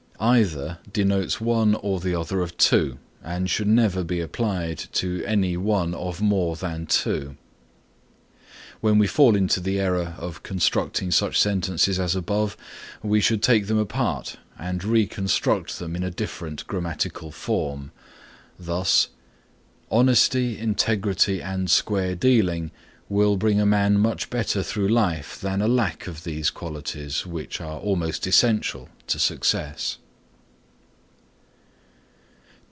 Either denotes one or the other of two and should never be applied to any one of more than two. When we fall into the error of constructing such sentences as above, we should take them apart and reconstruct them in a different grammatical form. Thus, "Honesty, integrity and square dealing will bring a man much better through life than a lack of these qualities which are almost essential to success."